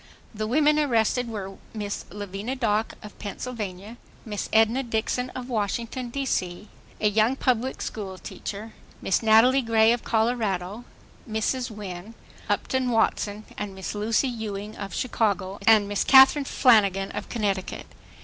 The women arrested were Miss Lavinia Dock of Pennsylvania, Miss Edna Dixon of Washington, D. C., a young public school teacher; Miss Natalie Gray of Colorado, Mrs. Win. Upton Watson and Miss Lucy Ewing of Chicago, and Miss Catherine Flanagan of Connecticut.